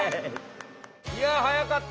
いやはやかった！